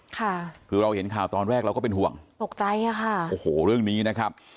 ค่ะคือเราเห็นข่าวตอนแรกเราก็เป็นห่วงตกใจอ่ะค่ะโอ้โหเรื่องนี้นะครับ